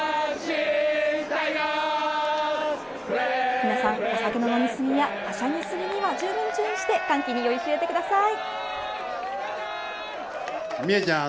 皆さん、お酒の飲み過ぎやはしゃぎ過ぎにはじゅうぶん注意して歓喜に酔いしれてください。